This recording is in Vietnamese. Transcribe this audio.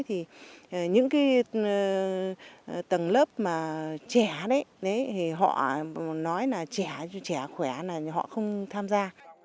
thì những cái tầng lớp mà trẻ đấy họ nói là trẻ trẻ khỏe là họ không tham gia